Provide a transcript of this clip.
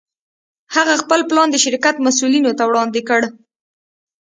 هغه خپل پلان د شرکت مسوولينو ته وړاندې کړ.